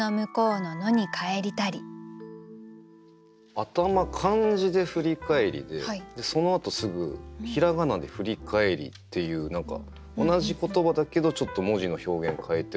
頭漢字で「振り返り」でそのあとすぐ平仮名で「ふりかえり」っていう何か同じ言葉だけどちょっと文字の表現変えてる。